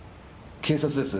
警察です。